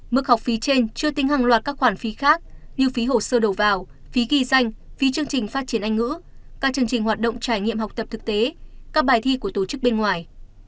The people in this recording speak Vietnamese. mức học phí trên chưa tính hàng loạt các khoản phí khác như phí hồ sơ đầu vào phí ghi danh phí chương trình phát triển anh ngữ các chương trình hoạt động trải nghiệm học tập thực tế các bài thi của tổ chức bên ngoài